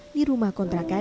di rumah kontrakan